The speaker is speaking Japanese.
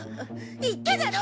言っただろ！